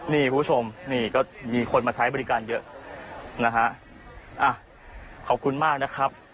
นี่คุณผู้ชมนี่ก็มีคนมาใช้บริการเยอะนะฮะอ่ะขอบคุณมากนะครับ